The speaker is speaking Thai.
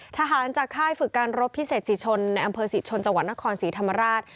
ทหารจากค่ายฝึกการรบพิเศษจิชนในอำเภอศรีชนจังหวัดนครศรีธรรมราช